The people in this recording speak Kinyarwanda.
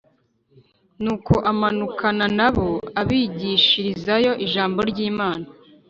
nuko amanukana na bo abigishirizayo ijambo ry’imana